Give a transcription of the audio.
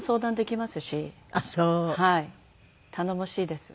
頼もしいです。